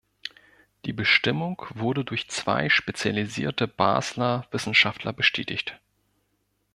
Die Bestimmung wurde durch zwei spezialisierte Basler Wissenschaftler bestätigt.